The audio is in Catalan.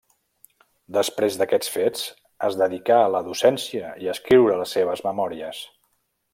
Després d'aquests fets es dedicà a la docència i a escriure les seves memòries.